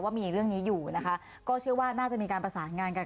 ว่ามีเรื่องนี้อยู่นะคะก็เชื่อว่าน่าจะมีการประสานงานกัน